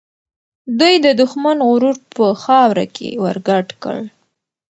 دوی د دښمن غرور په خاوره کې ورګډ کړ.